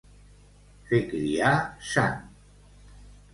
Fer criar sang.